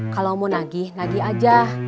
kalau mau nagih nagih aja